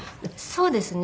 そうですね。